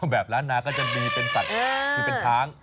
แบบล้านนาก็จะมีเป็นสัตว์คือเป็นช้าง